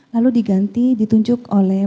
lalu diganti ditunjuk oleh